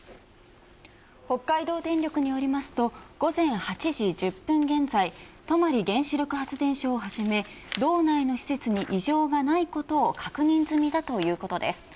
北海道電力によりますと午前８時１０分現在泊原子力発電所をはじめ道内の施設に異常がないことを確認済みだということです。